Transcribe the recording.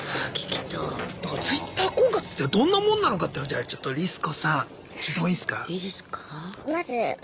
だからＴｗｉｔｔｅｒ婚活ってどんなもんなのかっていうのをじゃあちょっとリス子さん聞いてもいいっすか？